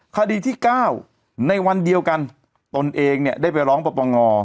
คดีที่เก้าในวันเดียวกันตนเองได้ไปร้องประปังงอ